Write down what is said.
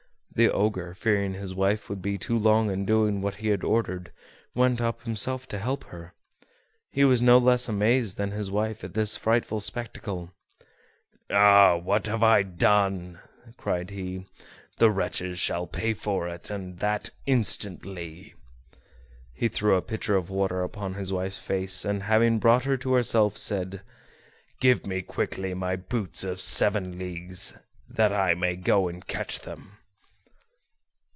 The Ogre, fearing his wife would be too long in doing what he had ordered, went up himself to help her. He was no less amazed than his wife at this frightful spectacle. "Ah! what have I done?" cried he. "The wretches shall pay for it, and that instantly." He threw a pitcher of water upon his wife's face, and, having brought her to herself, said: "Give me quickly my boots of seven leagues, that I may go and catch them."